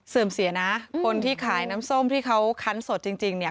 เสียนะคนที่ขายน้ำส้มที่เขาคันสดจริงเนี่ย